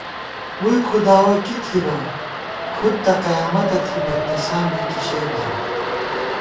ووئی کھُداوَہ کی تھنہ کھُدتہ قیامَتہ تھِبہ، تساں بی کِشَئ بالہ